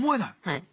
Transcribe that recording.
はい。